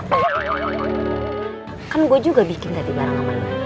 kan gue juga bikin tadi barang kemana